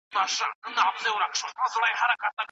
کورټیزول دوامداره خوشې کېدل د مغز التهاب زیاتوي.